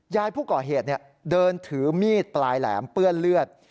ยายผู้ก่อเหตุเดินถือมีดปลายแหลมเปื้อนเลือด